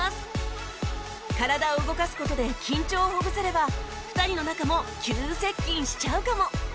体を動かす事で緊張をほぐせれば２人の仲も急接近しちゃうかも